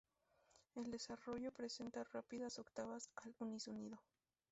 El desarrollo presenta rápidas octavas al unísono.